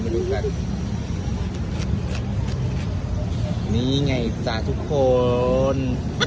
ดูกันนี่ไงจ๊ะทุกคน